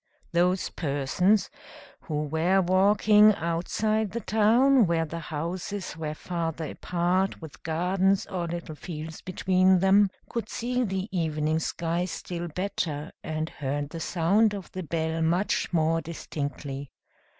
Those persons who were walking outside the town, where the houses were farther apart, with gardens or little fields between them, could see the evening sky still better, and heard the sound of the bell much more distinctly.